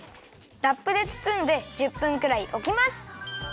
ラップでつつんで１０分くらいおきます！